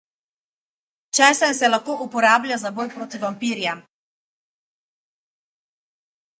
Česen se lahko uporablja za boj proti vampirjem.